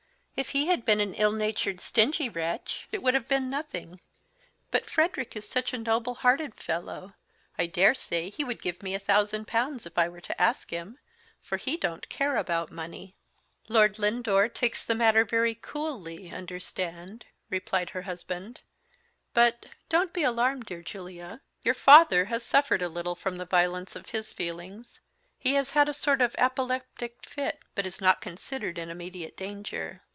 If he had been an ill natured stingy wretch it would have been nothing; but Frederick is such a noble hearted fellow I dare say he would give me a thousand pounds if I were to ask him, for he don't care about money." "Lord Lindore takes the matter very coolly, understand," replied her husband; "but don't be alarmed, dear Julia your father has suffered a little from the violence of his feelings. He has had a sort of apoplectic fit, but is not considered in immediate danger."